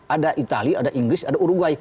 ada itali ada inggris ada uruguay